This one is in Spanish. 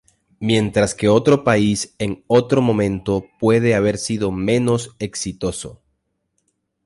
Mientras que otro país en otro momento puede haber sido menos exitoso.